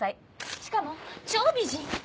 しかも超美人。